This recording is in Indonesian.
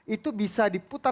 itu bisa diputar putar